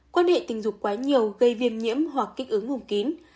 quan hệ tình dục quá nhiều gây viêm nhiễm hoặc kích ứng kín